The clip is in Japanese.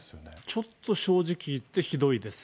ちょっと正直言ってひどいです。